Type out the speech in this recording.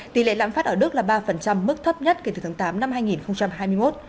tỷ lệ lãm phát ở đức là ba mức thấp nhất kể từ tháng tám năm hai nghìn hai mươi một